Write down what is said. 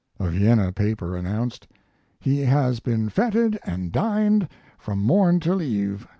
A Vienna paper announced: He has been feted and dined from morn till eve.